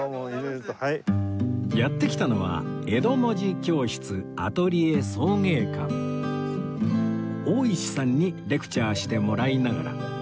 やって来たのは江戸文字教室大石さんにレクチャーしてもらいながら